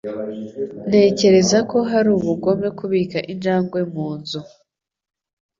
Ntekereza ko ari ubugome kubika injangwe mu nzu.